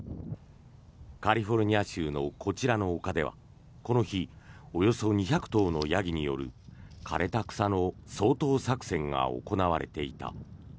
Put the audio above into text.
カリフォルニア州のこちらの丘ではこの日およそ２００頭のヤギによる枯れた草の掃討作戦が行われていた。